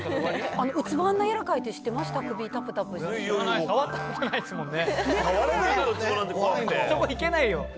ウツボ、あんな柔らかいって、触ったことないですもんね。